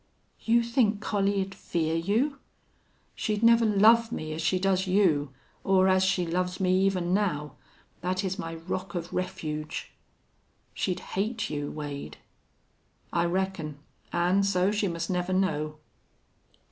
"You think Collie'd fear you?" "She'd never love me as she does you, or as she loves me even now. That is my rock of refuge." "She'd hate you, Wade." "I reckon. An' so she must never know."